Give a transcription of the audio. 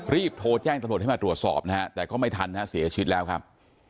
รีบโทรแจ้งตำรวจให้มาตรวจสอบนะฮะแต่ก็ไม่ทันนะฮะเสียชีวิตแล้วครับ